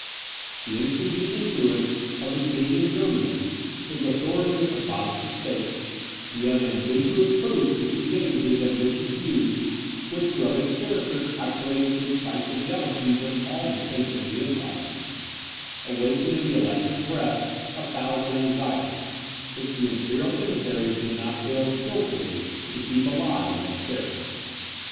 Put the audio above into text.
The increasing influence of the king in Germany, his authority with the Protestant states, the unambiguous proofs which he gave of his ambitious views, which were of a character calculated to excite the jealousies of all the states of the Empire, awakened in the Elector's breast a thousand anxieties, which the imperial emissaries did not fail skilfully to keep alive and cherish.